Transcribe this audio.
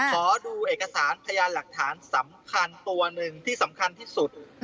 ขอดูเอกสารพยานหลักฐานสำคัญตัวหนึ่งที่สำคัญที่สุด